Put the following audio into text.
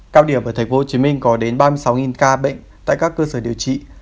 cao điểm ở tp hcm có đến ba mươi sáu ca bệnh tại các cơ sở điều trị